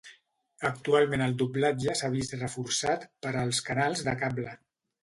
Actualment el doblatge s'ha vist reforçat per als canals de cable.